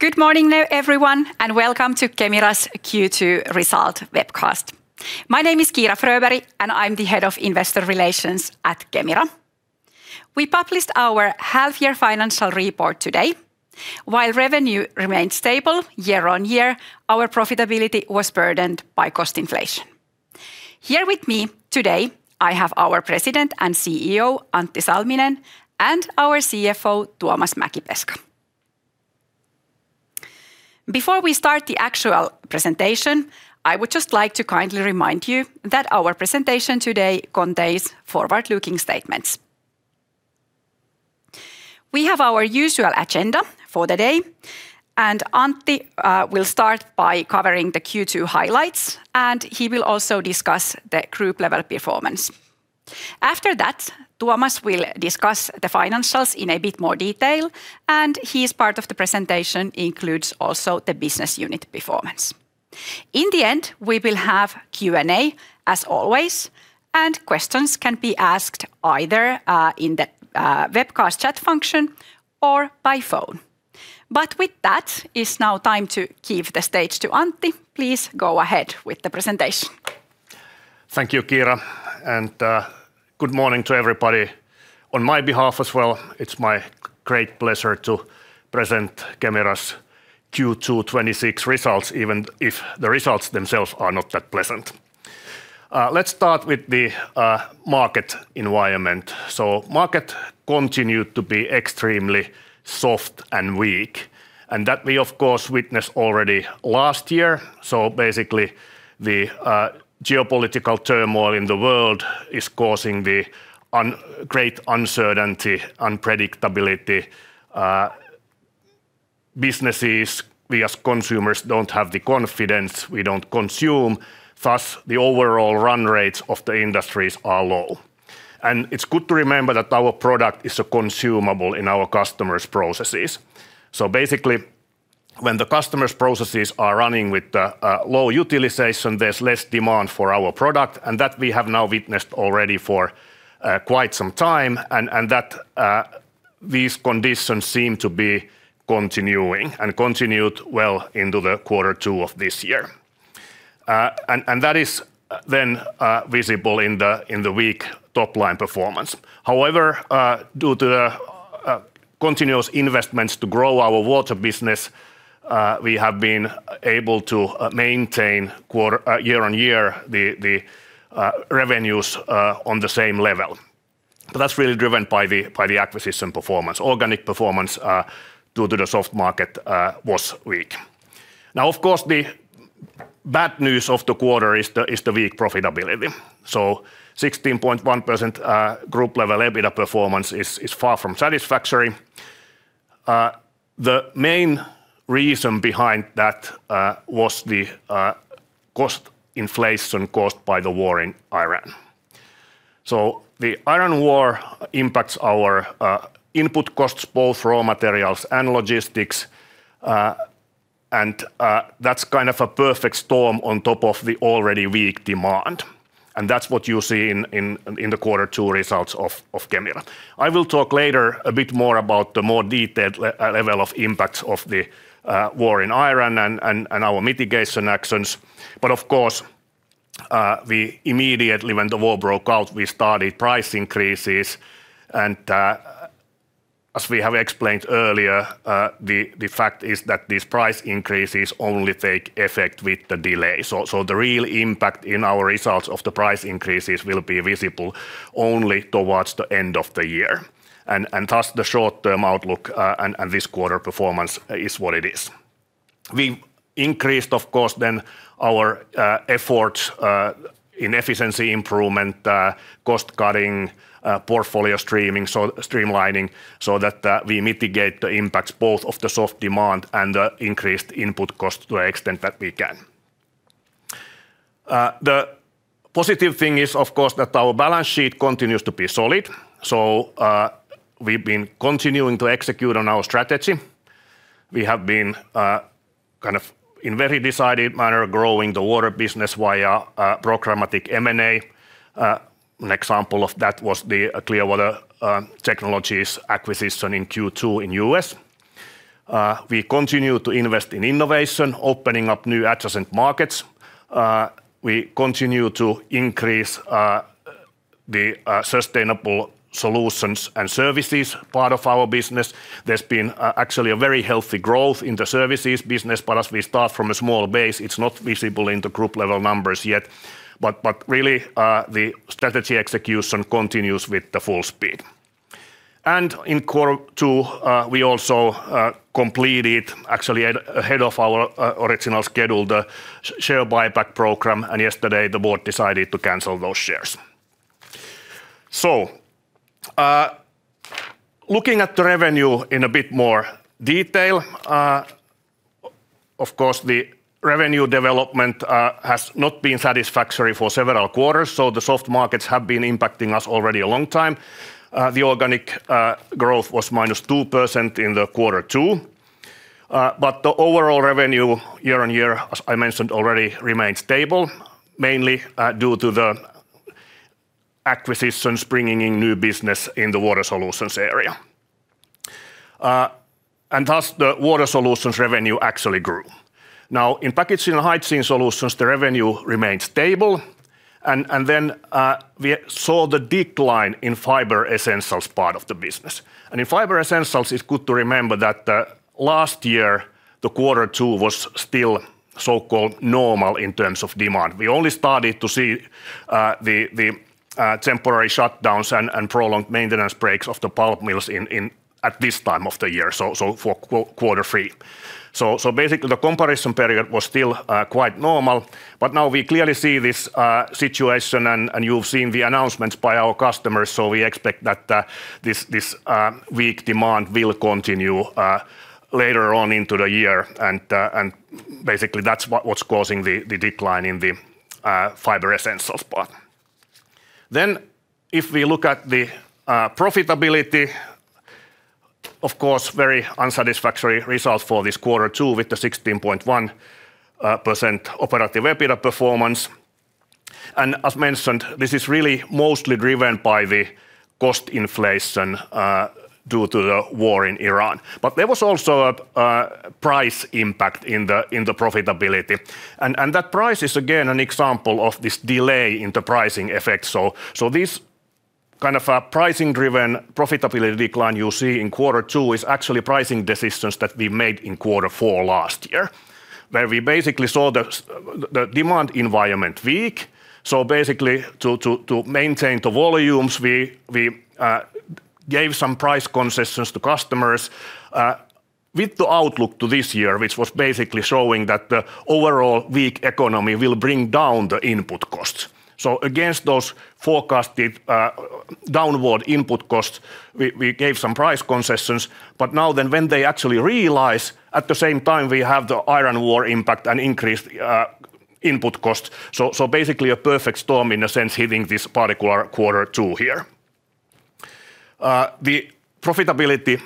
Good morning everyone. Welcome to Kemira's Q2 result webcast. My name is Kiira Fröberg. I'm the Head of Investor Relations at Kemira. We published our half-year financial report today. While revenue remained stable year-on-year, our profitability was burdened by cost inflation. Here with me today I have our President and CEO, Antti Salminen, and our CFO, Tuomas Mäkipeska. Before we start the actual presentation, I would just like to kindly remind you that our presentation today contains forward-looking statements. We have our usual agenda for the day. Antti will start by covering the Q2 highlights, and he will also discuss the group level performance. After that, Tuomas will discuss the financials in a bit more detail. His part of the presentation includes also the business unit performance. In the end, we will have Q&A as always. Questions can be asked either in the webcast chat function or by phone. With that, it's now time to give the stage to Antti. Please go ahead with the presentation. Thank you, Kiira. Good morning to everybody on my behalf as well. It's my great pleasure to present Kemira's Q2 2026 results, even if the results themselves are not that pleasant. Let's start with the market environment. Market continued to be extremely soft and weak. That we of course witnessed already last year. Basically, the geopolitical turmoil in the world is causing the great uncertainty, unpredictability. Businesses, we as consumers don't have the confidence, we don't consume. Thus, the overall run rates of the industries are low. It's good to remember that our product is a consumable in our customers' processes. Basically, when the customers' processes are running with low utilization, there's less demand for our product, and that we have now witnessed already for quite some time, and that these conditions seem to be continuing and continued well into the Q2 of this year. That is then visible in the weak top-line performance. However, due to the continuous investments to grow our Water Solutions business, we have been able to maintain year-on-year the revenues on the same level. That's really driven by the acquisition performance. Organic performance, due to the soft market, was weak. Now, of course, the bad news of the quarter is the weak profitability. 16.1% group level EBITDA performance is far from satisfactory. The main reason behind that was the cost inflation caused by the war in Ukraine. The Iran war impacts our input costs, both raw materials and logistics, and that's kind of a perfect storm on top of the already weak demand, and that's what you see in the Q2 results of Kemira. I will talk later a bit more about the more detailed level of impacts of the war in Iran and our mitigation actions. Of course, immediately when the war broke out, we started price increases, and as we have explained earlier, the fact is that these price increases only take effect with the delay. The real impact in our results of the price increases will be visible only towards the end of the year. Thus, the short-term outlook and this quarter performance is what it is. We increased, of course, our efforts in efficiency improvement, cost-cutting, portfolio streamlining, so that we mitigate the impacts both of the soft demand and the increased input cost to the extent that we can. The positive thing is, of course, that our balance sheet continues to be solid, so we've been continuing to execute on our strategy. We have been kind of in very decided manner growing the water business via programmatic M&A. An example of that was the Clear Water Technologies acquisition in Q2 in U.S. We continue to invest in innovation, opening up new adjacent markets. We continue to increase the sustainable solutions and services part of our business. There's been actually a very healthy growth in the services business, but as we start from a small base, it's not visible in the group level numbers yet. Really, the strategy execution continues with the full speed. In Q2, we also completed, actually ahead of our original schedule, the share buyback program, and yesterday the board decided to cancel those shares. Looking at the revenue in a bit more detail. Of course, the revenue development has not been satisfactory for several quarters, so the soft markets have been impacting us already a long time. The organic growth was -2% in Q2, but the overall revenue year-on-year, as I mentioned already, remained stable, mainly due to the acquisitions bringing in new business in the Water Solutions area. Thus, the Water Solutions revenue actually grew. In Packaging & Hygiene Solutions, the revenue remained stable. We saw the decline in Fiber Essentials part of the business. In Fiber Essentials, it's good to remember that last year, Q2 was still so-called normal in terms of demand. We only started to see the temporary shutdowns and prolonged maintenance breaks of the pulp mills at this time of the year, so for Q3. Basically, the comparison period was still quite normal, but now we clearly see this situation, and you've seen the announcements by our customers, so we expect that this weak demand will continue later on into the year, and basically, that's what's causing the decline in the Fiber Essentials part. If we look at the profitability, of course, very unsatisfactory results for this Q2 with the 16.1% operative EBITDA performance. As mentioned, this is really mostly driven by the cost inflation due to the war in Iran. There was also a price impact in the profitability, and that price is again an example of this delay in the pricing effect. This kind of a pricing-driven profitability decline you see in quarter two is actually pricing decisions that we made in quarter four last year, where we basically saw the demand environment weak. Basically, to maintain the volumes, we gave some price concessions to customers with the outlook to this year, which was basically showing that the overall weak economy will bring down the input cost. Against those forecasted downward input costs, we gave some price concessions, but now then when they actually realize at the same time, we have the Iran war impact and increased input cost. Basically, a perfect storm in a sense, hitting this particular quarter two here. The profitability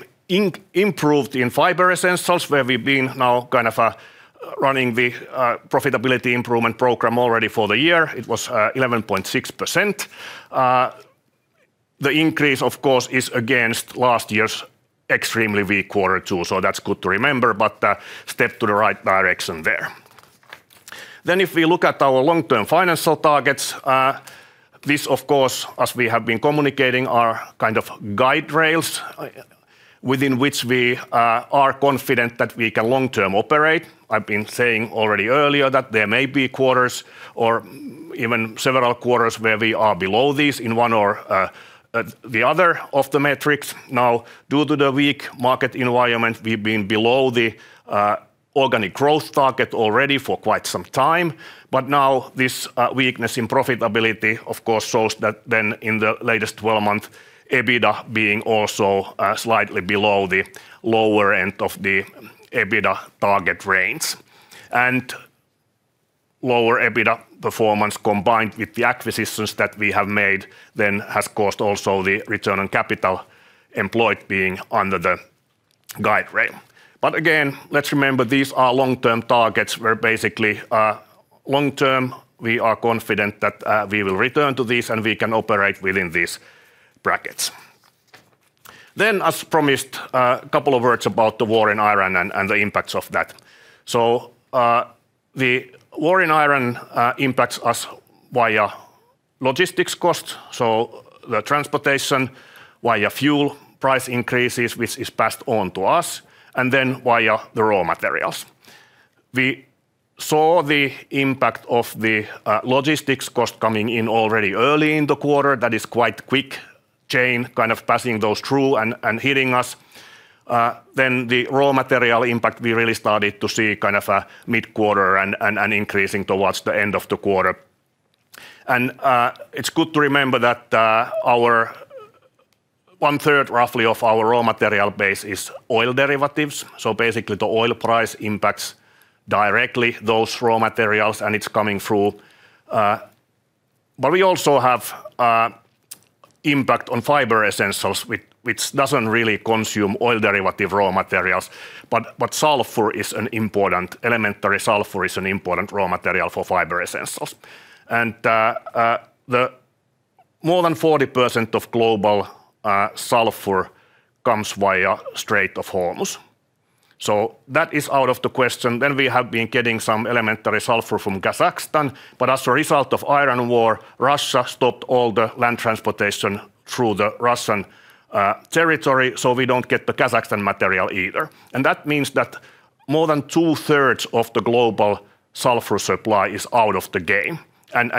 improved in Fiber Essentials, where we've been now kind of running the profitability improvement program already for the year. It was 11.6%. The increase, of course, is against last year's extremely weak quarter two, that's good to remember, but a step to the right direction there. If we look at our long-term financial targets, this of course, as we have been communicating, are kind of guide rails within which we are confident that we can long-term operate. I've been saying already earlier that there may be quarters or even several quarters where we are below these in one or the other of the metrics. Now, due to the weak market environment, we've been below the organic growth target already for quite some time. Now this weakness in profitability, of course, shows that then in the latest 12 months, EBITDA being also slightly below the lower end of the EBITDA target range. Lower EBITDA performance combined with the acquisitions that we have made then has caused also the return on capital employed being under the guide rail. Again, let's remember these are long-term targets where basically long term, we are confident that we will return to this, and we can operate within these brackets. As promised, a couple of words about the war in Iran and the impacts of that. The war in Iran impacts us via logistics cost, the transportation via fuel price increases, which is passed on to us, and then via the raw materials. We saw the impact of the logistics cost coming in already early in the quarter. That is quite quick chain, kind of passing those through and hitting us. The raw material impact, we really started to see kind of a mid-quarter and increasing towards the end of the quarter. It's good to remember that one third roughly of our raw material base is oil derivatives. Basically, the oil price impacts directly those raw materials, and it's coming through. We also have impact on Fiber Essentials, which doesn't really consume oil derivative raw materials, but elementary sulfur is an important raw material for Fiber Essentials. More than 40% of global sulfur comes via Strait of Hormuz. That is out of the question. We have been getting some elementary sulfur from Kazakhstan, as a result of Iran war, Russia stopped all the land transportation through the Russian territory, we don't get the Kazakhstan material either. That means that more than two-thirds of the global sulfur supply is out of the game.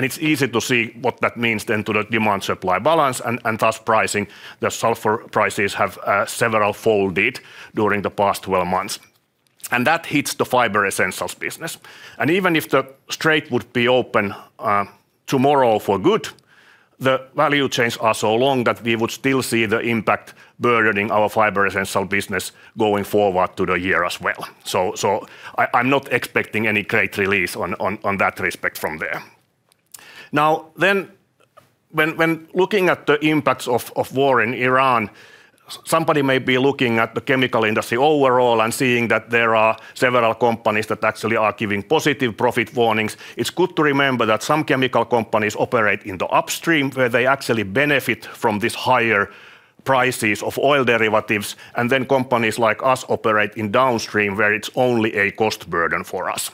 It's easy to see what that means then to the demand-supply balance, and thus pricing, the sulfur prices have several fold during the past 12 months. That hits the Fiber Essentials business. Even if the strait would be open tomorrow for good, the value chains are so long that we would still see the impact burdening our Fiber Essentials business going forward to the year as well. I'm not expecting any great release on that respect from there. When looking at the impacts of war in Iran, somebody may be looking at the chemical industry overall and seeing that there are several companies that actually are giving positive profit warnings. It's good to remember that some chemical companies operate in the upstream, where they actually benefit from these higher prices of oil derivatives. Companies like us operate in downstream, where it's only a cost burden for us.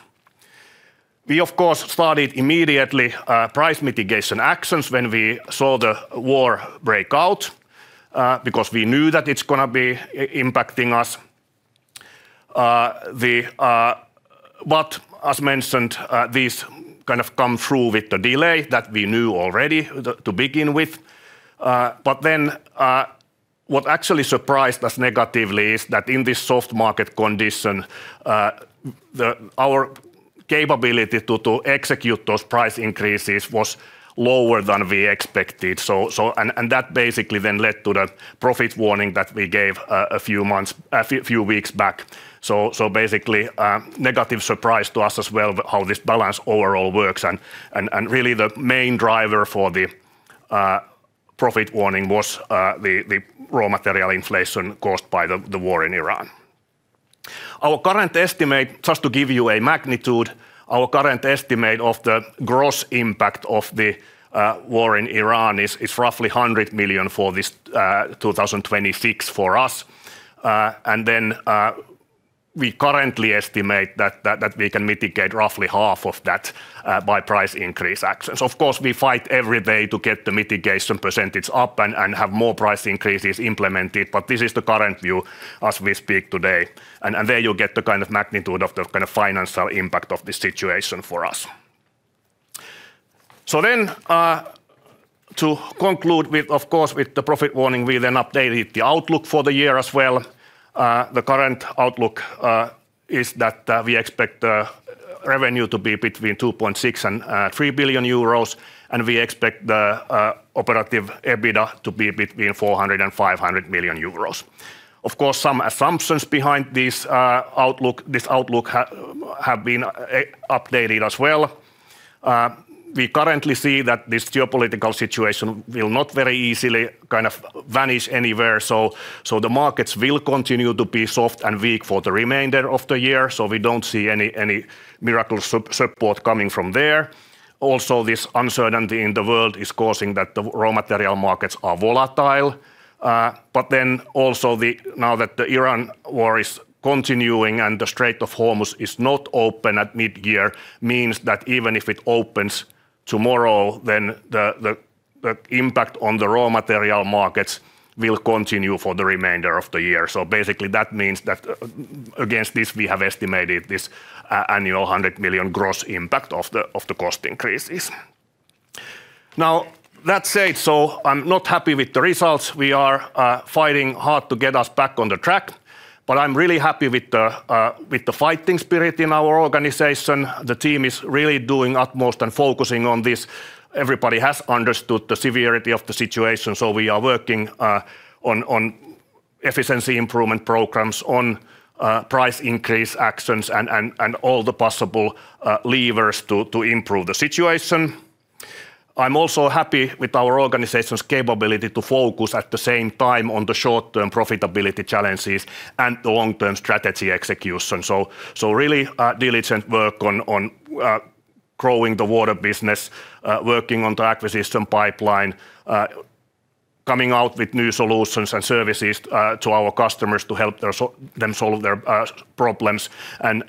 We, of course, started immediately price mitigation actions when we saw the war break out, because we knew that it's going to be impacting us. As mentioned, these come through with the delay that we knew already to begin with. What actually surprised us negatively is that in this soft market condition, our capability to execute those price increases was lower than we expected. That basically then led to the profit warning that we gave a few weeks back. Basically, a negative surprise to us as well, how this balance overall works. Really the main driver for the profit warning was the raw material inflation caused by the war in Iran. Just to give you a magnitude, our current estimate of the gross impact of the war in Iran is roughly 100 million for this 2026 for us. We currently estimate that we can mitigate roughly half of that by price increase actions. Of course, we fight every day to get the mitigation percentage up and have more price increases implemented, but this is the current view as we speak today. There you get the kind of magnitude of the kind of financial impact of this situation for us. To conclude, of course, with the profit warning, we then updated the outlook for the year as well. The current outlook is that we expect revenue to be between 2.6 billion and 3 billion euros, and we expect the operative EBITDA to be between 400 million euros and 500 million euros. Of course, some assumptions behind this outlook have been updated as well. We currently see that this geopolitical situation will not very easily vanish anywhere, the markets will continue to be soft and weak for the remainder of the year. We don't see any miracle support coming from there. Also, this uncertainty in the world is causing that the raw material markets are volatile. Also now that the Iran war is continuing and the Strait of Hormuz is not open at mid-year means that even if it opens tomorrow, the impact on the raw material markets will continue for the remainder of the year. Basically that means that against this, we have estimated this annual 100 million gross impact of the cost increases. That said, I'm not happy with the results. We are fighting hard to get us back on the track, but I'm really happy with the fighting spirit in our organization. The team is really doing utmost and focusing on this. Everybody has understood the severity of the situation, we are working on efficiency improvement programs, on price increase actions, and all the possible levers to improve the situation. I'm also happy with our organization's capability to focus at the same time on the short-term profitability challenges and the long-term strategy execution. Really diligent work on growing the water business, working on the acquisition pipeline, coming out with new solutions and services to our customers to help them solve their problems,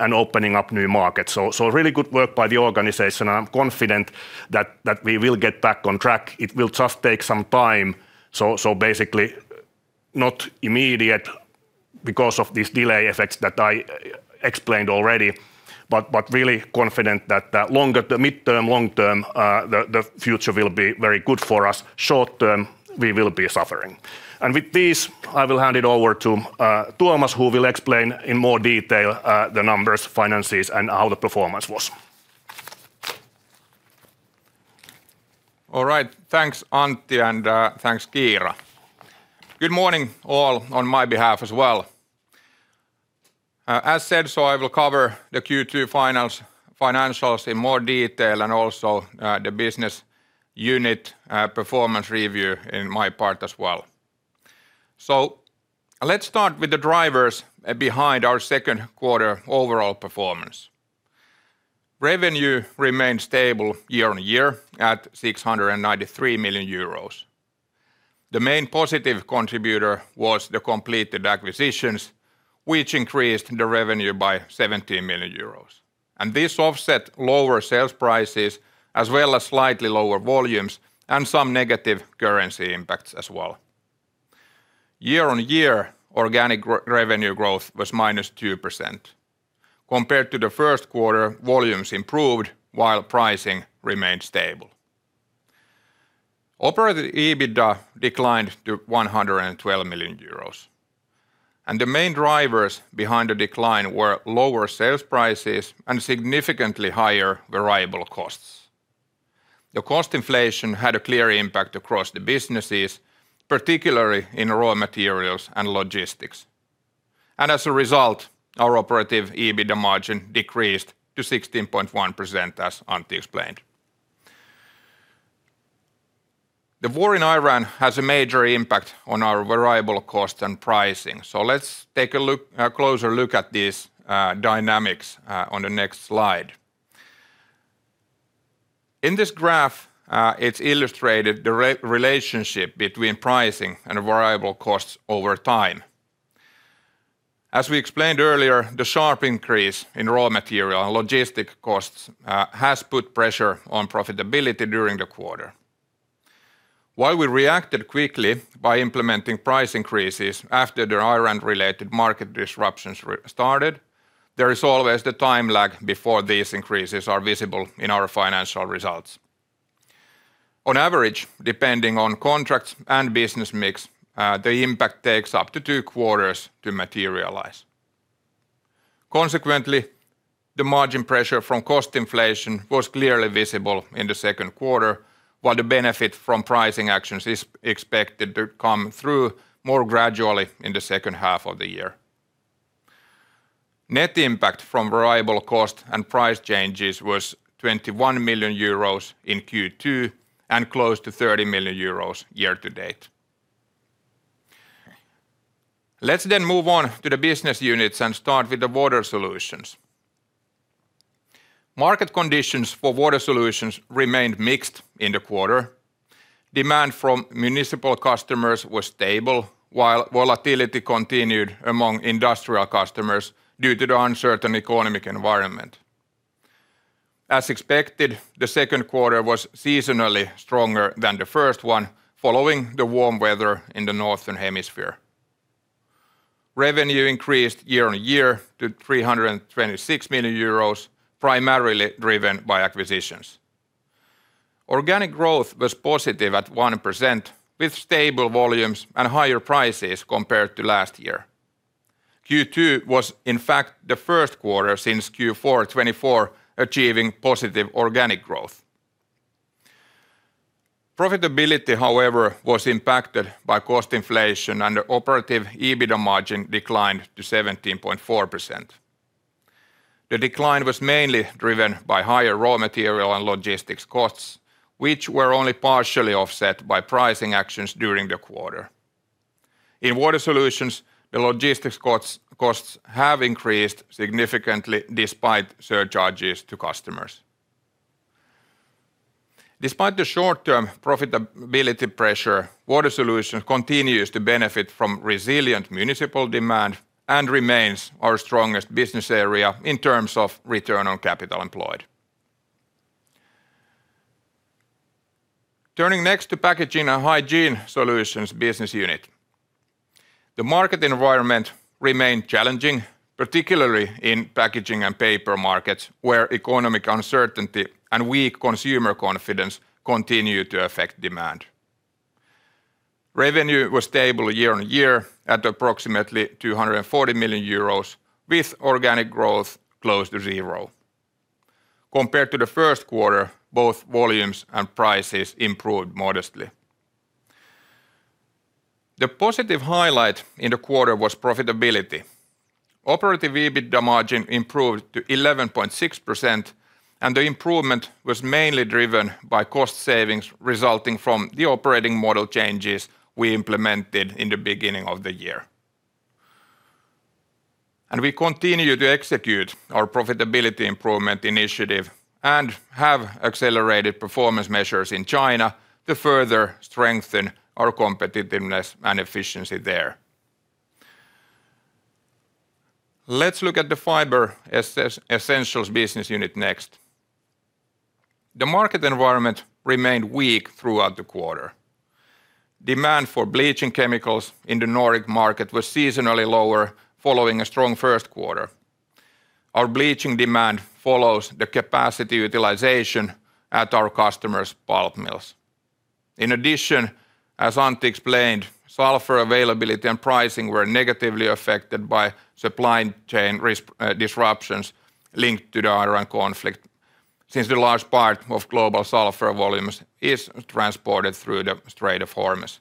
and opening up new markets. Really good work by the organization, and I'm confident that we will get back on track. It will just take some time. Basically not immediate because of these delay effects that I explained already, but really confident that midterm, long-term, the future will be very good for us. Short-term, we will be suffering. With this, I will hand it over to Tuomas, who will explain in more detail the numbers, finances, and how the performance was. All right. Thanks, Antti, and thanks, Kiira. Good morning all on my behalf as well. As said, I will cover the Q2 financials in more detail and also the business unit performance review in my part as well. Let's start with the drivers behind our Q2 overall performance. Revenue remained stable year-on-year at 693 million euros. The main positive contributor was the completed acquisitions, which increased the revenue by 70 million euros, and this offset lower sales prices as well as slightly lower volumes and some negative currency impacts as well. Year-on-year, organic revenue growth was -2%. Compared to the Q1, volumes improved while pricing remained stable. Operating EBITDA declined to 112 million euros, and the main drivers behind the decline were lower sales prices and significantly higher variable costs. The cost inflation had a clear impact across the businesses, particularly in raw materials and logistics. As a result, our operative EBITDA margin decreased to 16.1%, as Antti explained. The war in Iran has a major impact on our variable cost and pricing. Let's take a closer look at these dynamics on the next slide. In this graph, it's illustrated the relationship between pricing and variable costs over time. As we explained earlier, the sharp increase in raw material and logistic costs has put pressure on profitability during the quarter. While we reacted quickly by implementing price increases after the Iran-related market disruptions started, there is always the time lag before these increases are visible in our financial results. On average, depending on contracts and business mix, the impact takes up to two quarters to materialize. Consequently, the margin pressure from cost inflation was clearly visible in the Q2, while the benefit from pricing actions is expected to come through more gradually in the H2 of the year. Net impact from variable cost and price changes was 21 million euros in Q2 and close to 30 million euros year to date. Let's then move on to the business units and start with the Water Solutions. Market conditions for Water Solutions remained mixed in the quarter. Demand from municipal customers was stable, while volatility continued among industrial customers due to the uncertain economic environment. As expected, the Q2 was seasonally stronger than the first one, following the warm weather in the northern hemisphere. Revenue increased year-on-year to 326 million euros, primarily driven by acquisitions. Organic growth was positive at 1%, with stable volumes and higher prices compared to last year. Q2 was in fact the Q1 since Q4 2024 achieving positive organic growth. Profitability, however, was impacted by cost inflation, and the operative EBITDA margin declined to 17.4%. The decline was mainly driven by higher raw material and logistics costs, which were only partially offset by pricing actions during the quarter. In Water Solutions, the logistics costs have increased significantly despite surcharges to customers. Despite the short-term profitability pressure, Water Solutions continues to benefit from resilient municipal demand and remains our strongest business area in terms of return on capital employed. Turning next to Packaging & Hygiene Solutions business unit. The market environment remained challenging, particularly in packaging and paper markets, where economic uncertainty and weak consumer confidence continue to affect demand. Revenue was stable year-on-year at approximately 240 million euros, with organic growth close to zero. Compared to the Q1, both volumes and prices improved modestly. The positive highlight in the quarter was profitability. Operative EBITDA margin improved to 11.6%, and the improvement was mainly driven by cost savings resulting from the operating model changes we implemented in the beginning of the year. We continue to execute our profitability improvement initiative and have accelerated performance measures in China to further strengthen our competitiveness and efficiency there. Let's look at the Fiber Essentials business unit next. The market environment remained weak throughout the quarter. Demand for bleaching chemicals in the Nordic market was seasonally lower following a strong Q1. Our bleaching demand follows the capacity utilization at our customers' pulp mills. In addition, as Antti explained, sulfur availability and pricing were negatively affected by supply chain risk disruptions linked to the Iran conflict since the large part of global sulfur volumes is transported through the Strait of Hormuz.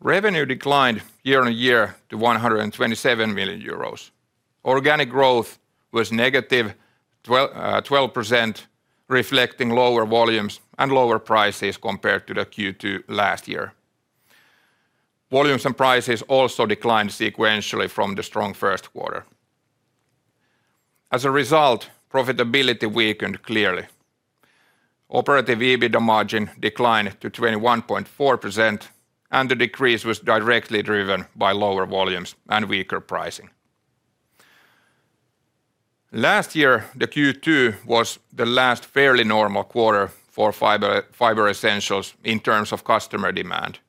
Revenue declined year-on-year to 127 million euros. Organic growth was -12%, reflecting lower volumes and lower prices compared to the Q2 last year. Volumes and prices also declined sequentially from the strong Q1. As a result, profitability weakened clearly. Operative EBITDA margin declined to 21.4%, and the decrease was directly driven by lower volumes and weaker pricing. Last year, the Q2 was the last fairly normal quarter for Fiber Essentials in terms of customer demand.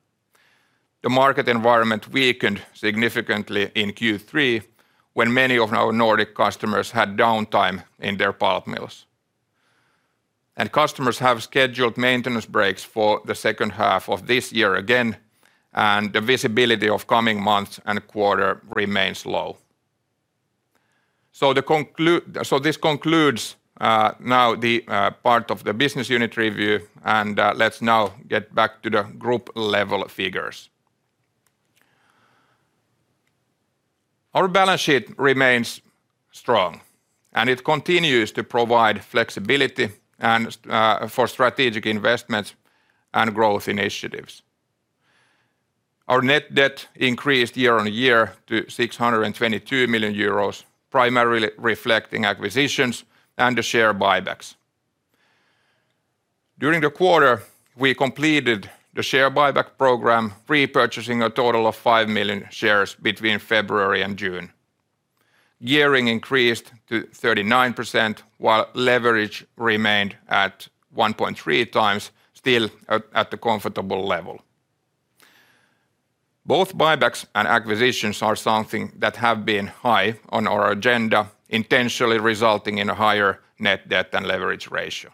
The market environment weakened significantly in Q3 when many of our Nordic customers had downtime in their pulp mills. Customers have scheduled maintenance breaks for the H2 of this year again, the visibility of coming months and quarter remains low. This concludes the part of the business unit review, let's now get back to the group level figures. Our balance sheet remains strong, it continues to provide flexibility for strategic investments and growth initiatives. Our net debt increased year-over-year to 622 million euros, primarily reflecting acquisitions and the share buybacks. During the quarter, we completed the share buyback program, repurchasing a total of 5 million shares between February and June. Gearing increased to 39%, while leverage remained at 1.3x, still at the comfortable level. Both buybacks and acquisitions are something that have been high on our agenda, intentionally resulting in a higher net debt and leverage ratio.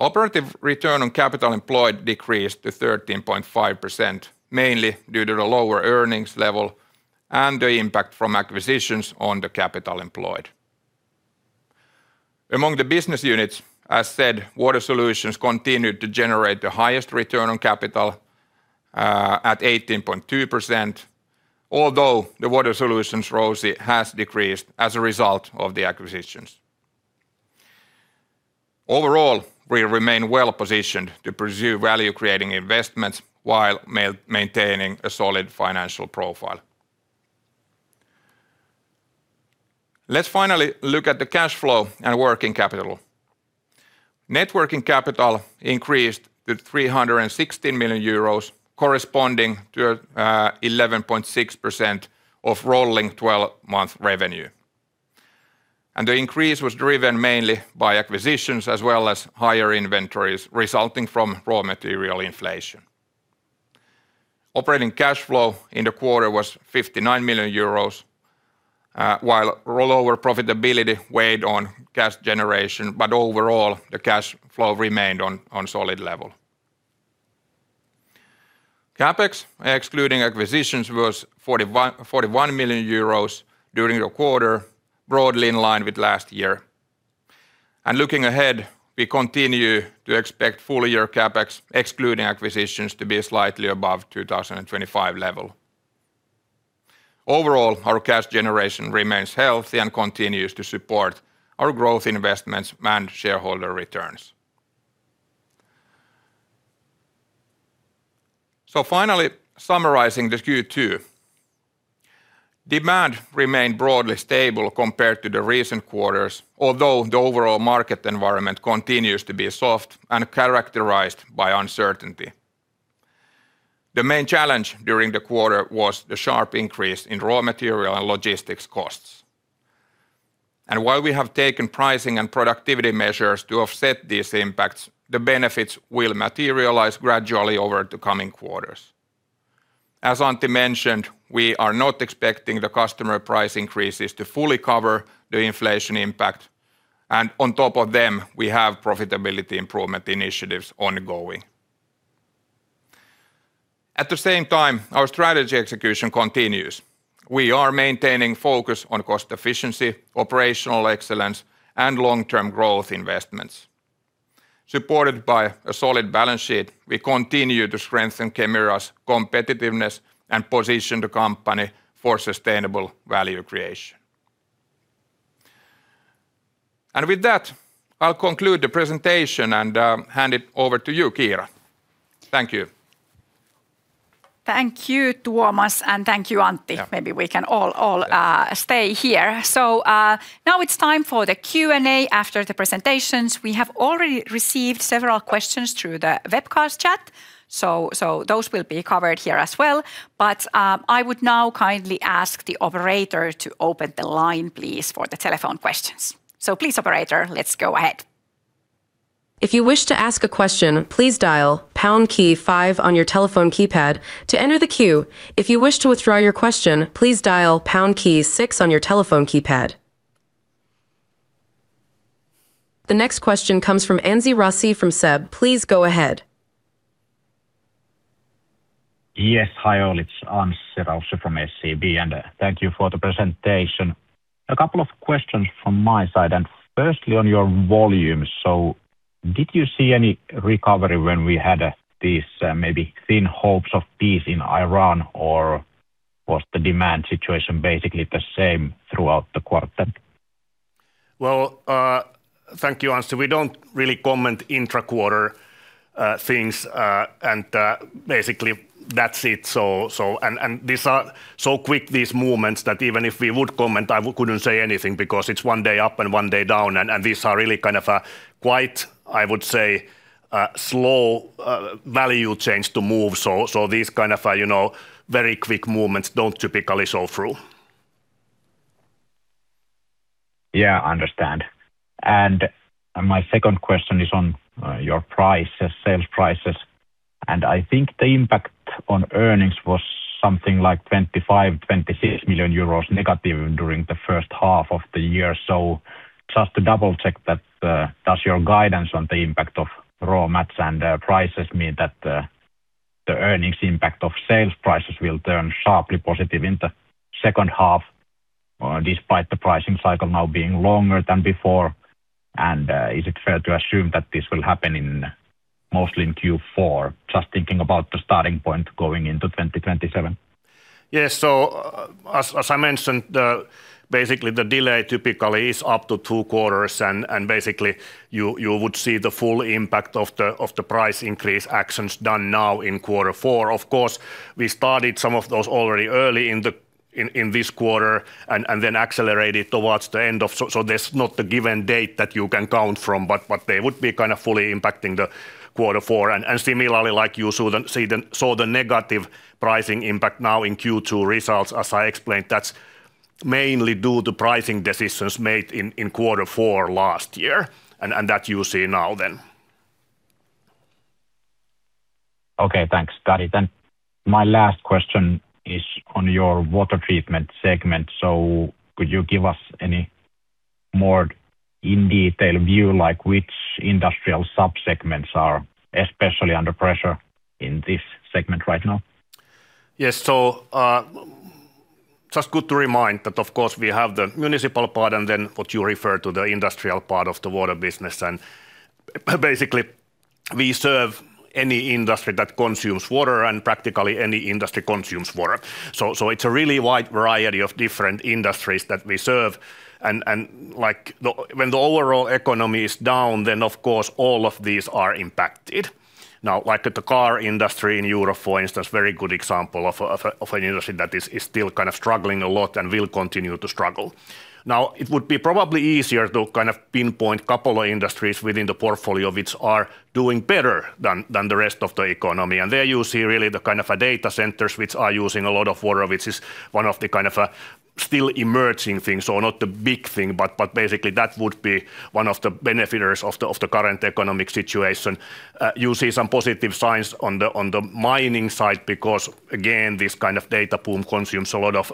Operative return on capital employed decreased to 13.5%, mainly due to the lower earnings level and the impact from acquisitions on the capital employed. Among the business units, as said, Water Solutions continued to generate the highest return on capital at 18.2%, although the Water Solutions ROCE has decreased as a result of the acquisitions. Overall, we remain well-positioned to pursue value-creating investments while maintaining a solid financial profile. Let's finally look at the cash flow and working capital. Net working capital increased to 316 million euros, corresponding to 11.6% of rolling 12-month revenue. The increase was driven mainly by acquisitions as well as higher inventories resulting from raw material inflation. Operating cash flow in the quarter was 59 million euros, while rollover profitability weighed on cash generation, overall, the cash flow remained on solid level. CapEx, excluding acquisitions, was 41 million euros during the quarter, broadly in line with last year. Looking ahead, we continue to expect full-year CapEx, excluding acquisitions, to be slightly above 2025 level. Overall, our cash generation remains healthy and continues to support our growth investments and shareholder returns. Finally, summarizing the Q2. Demand remained broadly stable compared to the recent quarters, although the overall market environment continues to be soft and characterized by uncertainty. The main challenge during the quarter was the sharp increase in raw material and logistics costs. While we have taken pricing and productivity measures to offset these impacts, the benefits will materialize gradually over the coming quarters. As Antti mentioned, we are not expecting the customer price increases to fully cover the inflation impact, on top of them, we have profitability improvement initiatives ongoing. At the same time, our strategy execution continues. We are maintaining focus on cost efficiency, operational excellence, and long-term growth investments. Supported by a solid balance sheet, we continue to strengthen Kemira's competitiveness and position the company for sustainable value creation. With that, I'll conclude the presentation and hand it over to you, Kiira. Thank you. Thank you, Tuomas, and thank you, Antti. Yeah. Maybe we can all stay here. Now it's time for the Q&A after the presentations. We have already received several questions through the webcast chat, those will be covered here as well. I would now kindly ask the operator to open the line, please, for the telephone questions. Please, operator, let's go ahead. If you wish to ask a question, please dial pound five on your telephone keypad to enter the queue. If you wish to withdraw your question, please dial pound six on your telephone keypad. The next question comes from Anssi Raussi from SEB. Please go ahead. Yes, hi all. It's Anssi Raussi from SEB, and thank you for the presentation. A couple of questions from my side, and firstly on your volumes. Did you see any recovery when we had these maybe thin hopes of peace in Iran, or was the demand situation basically the same throughout the quarter? Well, thank you, Anssi. We don't really comment intra-quarter things, basically, that's it. These are so quick, these movements, that even if we would comment, I couldn't say anything because it's one day up and one day down, these are really quite, I would say, slow value chains to move. These kind of very quick movements don't typically show through. Understand. My second question is on your sales prices. I think the impact on earnings was something like 25 million euros, 26 million- during the H1 of the year. Just to double-check that, does your guidance on the impact of raw mats and prices mean that the earnings impact of sales prices will turn sharply positive in the H2 despite the pricing cycle now being longer than before. Is it fair to assume that this will happen mostly in Q4? Just thinking about the starting point going into 2027. Yes. As I mentioned, basically the delay typically is up to two quarters, basically you would see the full impact of the price increase actions done now in quarter four. Of course, we started some of those already early in this quarter accelerated towards the end. There's not a given date that you can count from, but they would be fully impacting the quarter four. Similarly, like you saw the negative pricing impact now in Q2 results. As I explained, that's mainly due to pricing decisions made in quarter four last year, that you see now then. Okay. Thanks. Got it. My last question is on your water treatment segment. Could you give us any more in-detail view, like which industrial sub-segments are especially under pressure in this segment right now? Yes. Just good to remind that of course we have the municipal part and then what you refer to, the industrial part of the water business. Basically we serve any industry that consumes water and practically any industry consumes water. It's a really wide variety of different industries that we serve, and when the overall economy is down, then of course all of these are impacted. Like the car industry in Europe, for instance, very good example of an industry that is still kind of struggling a lot and will continue to struggle. It would be probably easier to kind of pinpoint couple of industries within the portfolio which are doing better than the rest of the economy. There you see really the kind of data centers which are using a lot of water, which is one of the kind of still emerging things. Not the big thing, but basically that would be one of the benefiters of the current economic situation. You see some positive signs on the mining side because again, this kind of data boom consumes a lot of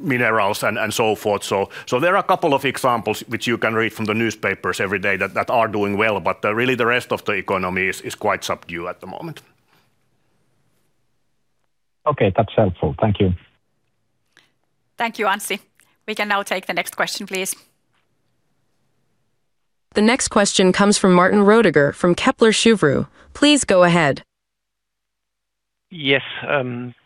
minerals and so forth. There are a couple of examples, which you can read from the newspapers every day, that are doing well, but really the rest of the economy is quite subdued at the moment. Okay. That's helpful. Thank you. Thank you, Anssi. We can now take the next question, please. The next question comes from Martin Rödiger from Kepler Cheuvreux. Please go ahead. Yes.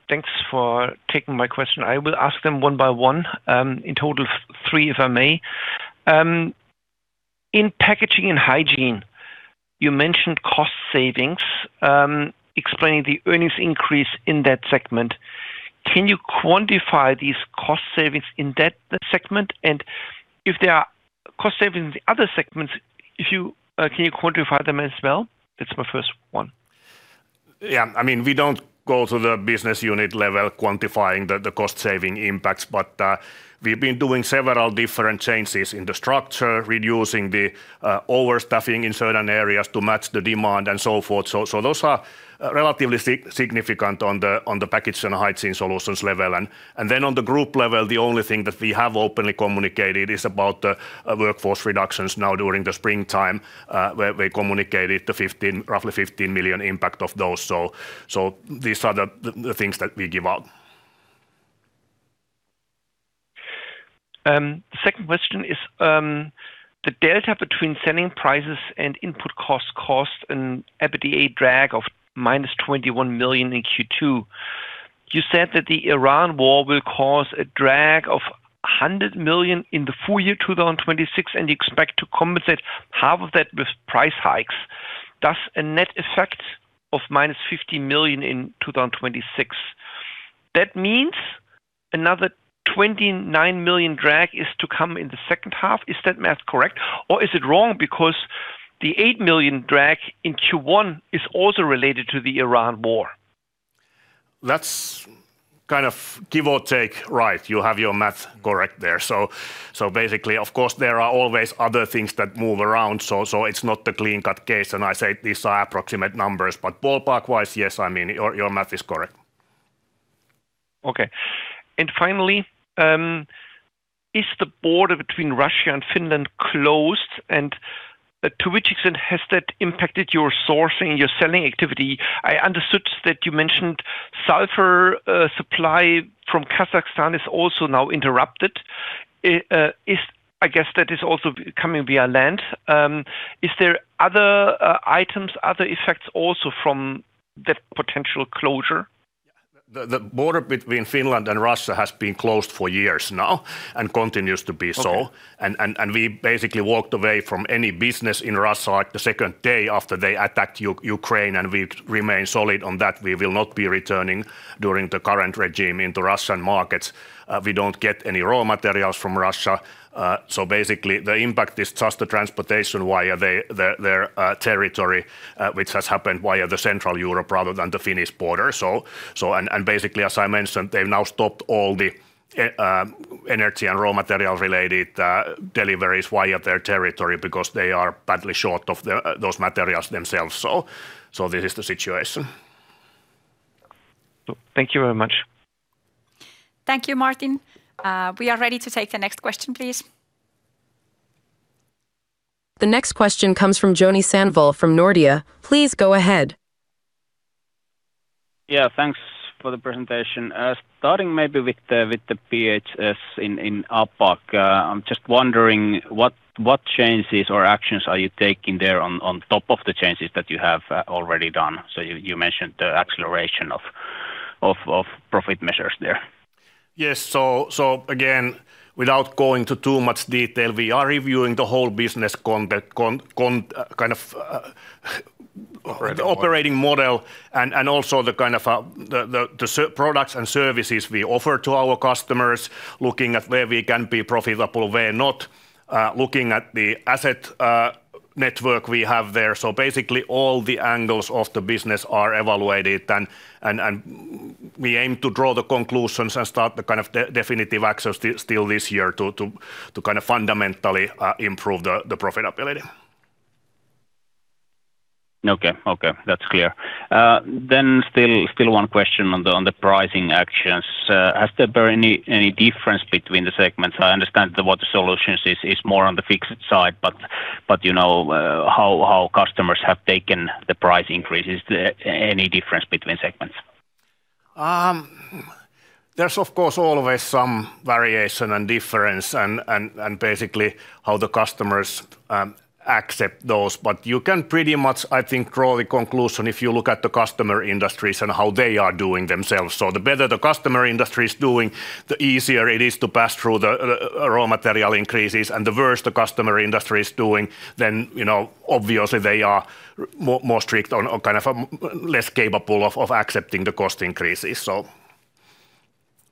Thanks for taking my question. I will ask them one by one, in total three, if I may. In Packaging and Hygiene, you mentioned cost savings explaining the earnings increase in that segment. Can you quantify these cost savings in that segment? If there are cost savings in the other segments, can you quantify them as well? That's my first one. Yeah. We don't go to the business unit level quantifying the cost-saving impacts, we've been doing several different changes in the structure, reducing the overstaffing in certain areas to match the demand and so forth. Those are relatively significant on the Packaging & Hygiene Solutions level. On the group level, the only thing that we have openly communicated is about the workforce reductions now during the springtime, where we communicated the roughly 15 million impact of those. These are the things that we give out. Second question is, the delta between selling prices and input cost caused an EBITDA drag of -21 million in Q2. You said that the Iran war will cause a drag of 100 million in the full year 2026, you expect to compensate half of that with price hikes. Thus, a net effect of -50 million in 2026. That means another 29 million drag is to come in the H2. Is that math correct, or is it wrong because the 8 million drag in Q1 is also related to the Iran war? That's kind of give or take, right. You have your math correct there. Basically, of course, there are always other things that move around, so it's not the clean-cut case, and I say these are approximate numbers, but ballpark-wise, yes, your math is correct. Okay. Finally, is the border between Russia and Finland closed, and to which extent has that impacted your sourcing, your selling activity? I understood that you mentioned sulfur supply from Kazakhstan is also now interrupted. I guess that is also coming via land. Is there other items, other effects also from that potential closure? The border between Finland and Russia has been closed for years now and continues to be so. Okay. We basically walked away from any business in Russia the second day after they attacked Ukraine, and we remain solid on that. We will not be returning during the current regime into Russian markets. We don't get any raw materials from Russia. Basically, the impact is just the transportation via their territory, which has happened via Central Europe rather than the Finnish border. Basically, as I mentioned, they've now stopped all the energy and raw material-related deliveries via their territory because they are badly short of those materials themselves. This is the situation. Thank you very much. Thank you, Martin. We are ready to take the next question, please. The next question comes from Joni Sandvall from Nordea. Please go ahead. Yeah, thanks for the presentation. Starting maybe with the P&HS in APAC, I'm just wondering what changes or actions are you taking there on top of the changes that you have already done? You mentioned the acceleration of profit measures there. Again, without going into too much detail, we are reviewing the whole business operating model and also the kind of products and services we offer to our customers, looking at where we can be profitable, where not, looking at the asset network we have there. Basically all the angles of the business are evaluated, and we aim to draw the conclusions and start the definitive access still this year to fundamentally improve the profitability. Okay. That's clear. Still one question on the pricing actions. Has there been any difference between the segments? I understand the Water Solutions is more on the fixed side, but how customers have taken the price increases, any difference between segments? There's of course always some variation and difference and basically how the customers accept those. You can pretty much, I think, draw the conclusion if you look at the customer industries and how they are doing themselves. The better the customer industry is doing, the easier it is to pass through the raw material increases, and the worse the customer industry is doing, then obviously they are more strict or less capable of accepting the cost increases.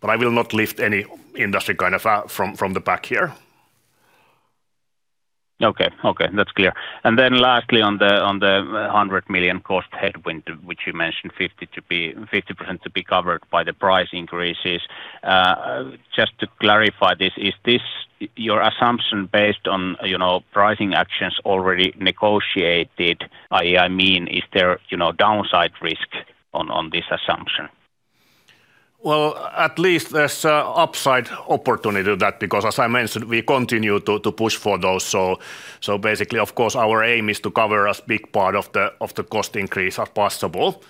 I will not lift any industry from the back here. Okay. That's clear. Lastly on the 100 million cost headwind, which you mentioned 50% to be covered by the price increases. Just to clarify this, is this your assumption based on pricing actions already negotiated, i.e., I mean, is there downside risk on this assumption? Well, at least there's a upside opportunity to that because as I mentioned, we continue to push for those. Basically, of course, our aim is to cover as big part of the cost increase as possible.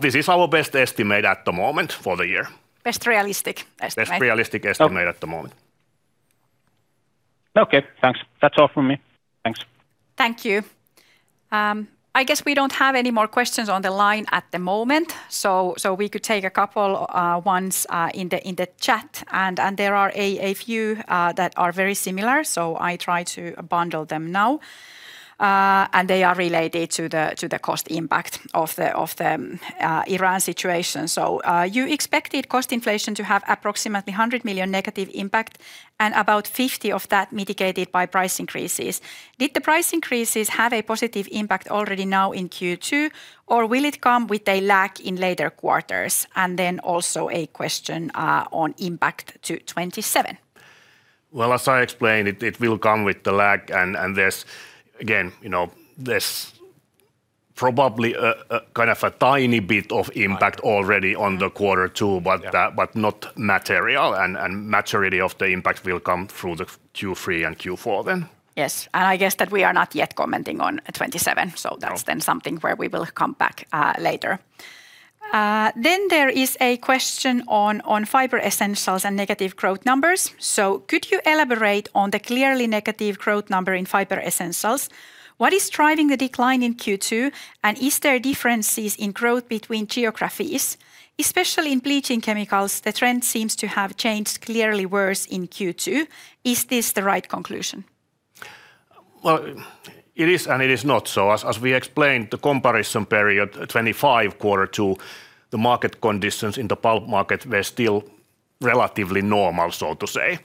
This is our best estimate at the moment for the year. Best realistic estimate. Best realistic estimate at the moment. Okay, thanks. That's all from me. Thanks. Thank you. I guess we don't have any more questions on the line at the moment, we could take a couple ones in the chat, there are a few that are very similar, I try to bundle them now. They are related to the cost impact of the Iran situation. You expected cost inflation to have approximately 100 million negative impact and about 50 million of that mitigated by price increases. Did the price increases have a positive impact already now in Q2, or will it come with a lag in later quarters? Then also a question on impact to 2027. Well, as I explained, it will come with the lag, there's probably a tiny bit of impact already on the quarter two but not material, maturity of the impact will come through the Q3 and Q4 then. Yes. I guess that we are not yet commenting on 2027, that's then something where we will come back later. There is a question on Fiber Essentials and negative growth numbers. Could you elaborate on the clearly negative growth number in Fiber Essentials? What is driving the decline in Q2? Is there differences in growth between geographies? Especially in bleaching chemicals, the trend seems to have changed clearly worse in Q2. Is this the right conclusion? Well, it is and it is not. As we explained the comparison period 2025 quarter to the market conditions in the pulp market were still relatively normal, so to say.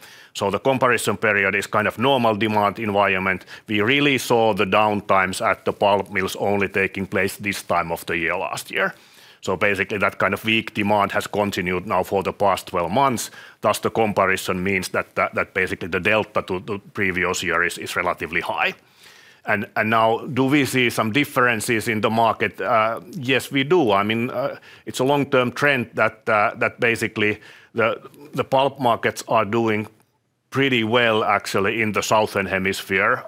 The comparison period is normal demand environment. We really saw the downtimes at the pulp mills only taking place this time of the year last year. Basically that kind of weak demand has continued now for the past 12 months. Thus, the comparison means that basically the delta to previous year is relatively high. Now do we see some differences in the market? Yes, we do. It's a long-term trend that basically the pulp markets are doing pretty well actually in the southern hemisphere,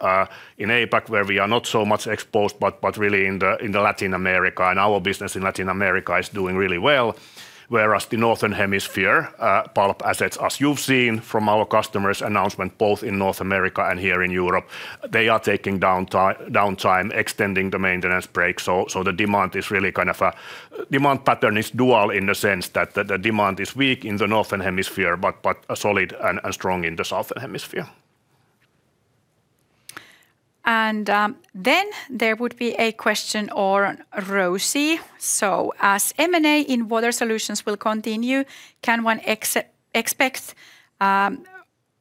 in APAC, where we are not so much exposed, but really in Latin America, and our business in Latin America is doing really well, whereas the northern hemisphere pulp assets, as you've seen from our customers' announcement both in North America and here in Europe, they are taking downtime, extending the maintenance break. The demand pattern is dual in the sense that the demand is weak in the northern hemisphere but solid and strong in the southern hemisphere. There would be a question on ROACE. As M&A in Water Solutions will continue, can one expect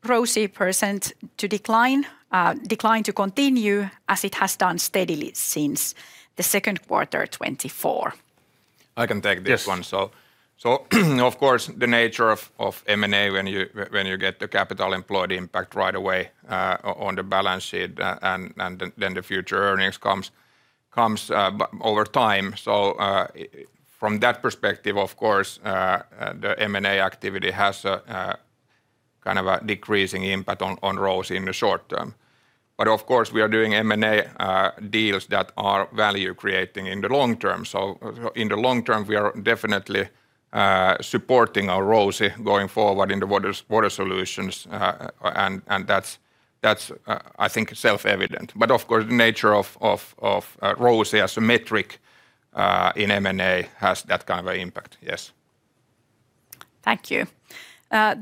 ROACE % to decline to continue as it has done steadily since the Q2 2024? I can take this one. Yes. Of course, the nature of M&A when you get the capital employed impact right away on the balance sheet, the future earnings comes over time. From that perspective, of course, the M&A activity has a decreasing impact on ROACE in the short term. Of course, we are doing M&A deals that are value creating in the long term. In the long term, we are definitely supporting our ROACE going forward in the Water Solutions, and that's I think self-evident. Of course, the nature of ROACE as a metric in M&A has that kind of an impact, yes. Thank you.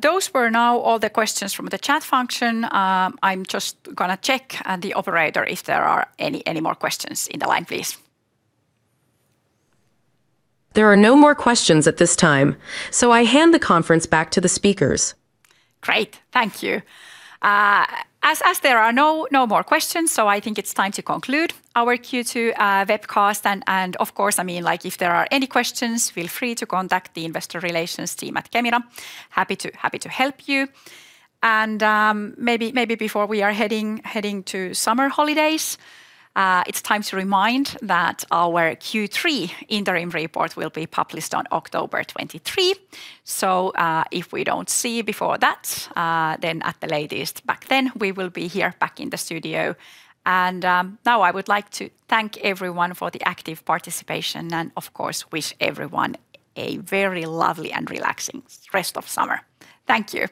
Those were now all the questions from the chat function. I'm just going to check the operator if there are any more questions in the line, please. There are no more questions at this time, I hand the conference back to the speakers. Great. Thank you. As there are no more questions, I think it's time to conclude our Q2 webcast. Of course, if there are any questions, feel free to contact the investor relations team at Kemira. Happy to help you. Maybe before we are heading to summer holidays, it's time to remind that our Q3 interim report will be published on October 23rd. If we don't see you before that, then at the latest back then, we will be here back in the studio. Now I would like to thank everyone for the active participation and, of course, wish everyone a very lovely and relaxing rest of summer. Thank you.